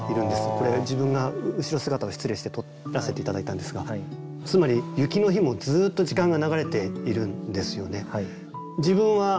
これ自分が後ろ姿を失礼して撮らせて頂いたんですがつまり雪の日もずっと時間が流れているんですよね。